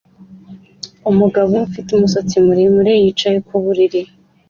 Umugabo ufite umusatsi muremure yicaye ku buriri